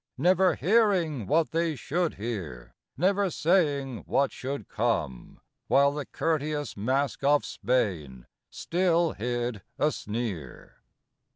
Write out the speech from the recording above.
Never hearing what they should hear, never saying what should come, While the courteous mask of Spain still hid a sneer!